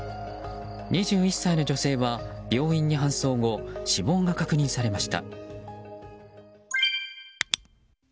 ２１歳の女性は病院に搬送後死亡が確認されました。